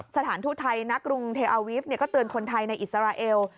สถานทุทัยนักรุงเทอาวิฟต์เนี่ยก็เตือนคนไทยในอิสราเอล